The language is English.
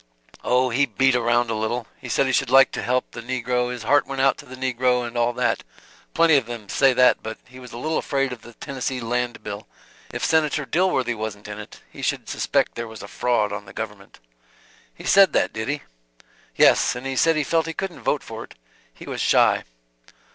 "Oh, he beat around a little. He said he should like to help the negro, his heart went out to the negro, and all that plenty of them say that but he was a little afraid of the Tennessee Land bill; if Senator Dilworthy wasn't in it, he should suspect there was a fraud on the government." "He said that, did he?" "Yes. And he said he felt he couldn't vote for it. He was shy."